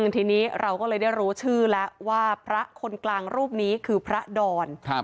ทีนี้เราก็เลยได้รู้ชื่อแล้วว่าพระคนกลางรูปนี้คือพระดอน